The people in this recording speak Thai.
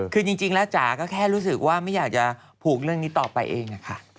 คือจริงแล้วจ๋าก็แค่รู้สึกว่าไม่อยากจะผูกเรื่องนี้ต่อไปเองค่ะ